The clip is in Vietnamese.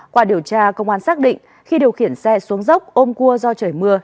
qua điều tra công an xác định khi điều khiển xe xuống dốc ôm cua do trời mưa